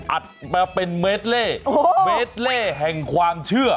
อัดมาเป็นเมดเล่เมดเล่แห่งความเชื่อ